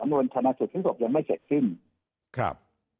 ระบวนธนสูตรภิกษกษ์ยังไม่เสร็จสิ้นครับ